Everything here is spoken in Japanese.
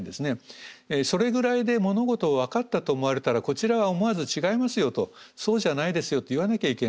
それぐらいで物事を分かったと思われたらこちらは思わず違いますよとそうじゃないですよと言わなきゃいけない。